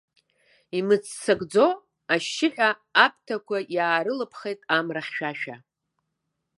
Имыццакӡо, ашьшьыҳәа аԥҭақәа иаарылԥхеит амра хьшәашәа.